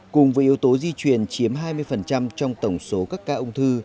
cùng với yếu tố di truyền chiếm hai mươi trong tổng số các ca ung thư